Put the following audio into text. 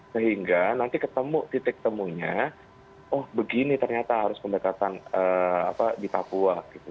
sehingga nanti ketemu titik temunya oh begini ternyata harus pendekatan di papua gitu